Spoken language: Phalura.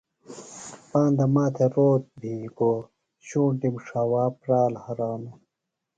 پاندہ ماتھےۡ روت بھی گو، شُونٹی ݜاوا پرال ہرانوۡ